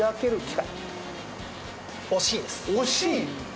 惜しい？